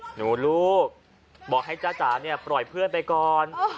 หนูลูกบอกให้จ้าจ๋าเนี่ยปล่อยเพื่อนไปก่อน